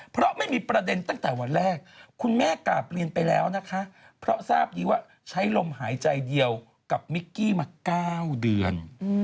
เพราะไม่มีประเด็นตั้งแต่วันแรกคุณแม่กราบเรียนไปแล้วนะคะเพราะทราบดีว่าใช้ลมหายใจเดียวกับมิกกี้มา๙เดือน